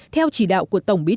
theo chỉ đạo của tổng bí tế